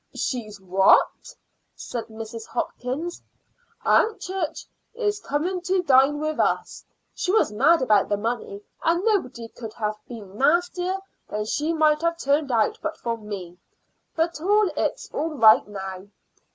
"She's what?" said Mrs. Hopkins. "Aunt Church is coming to dine with us. She was mad about the money, and nobody could have been nastier than she might have turned out but for me. But it's all right now.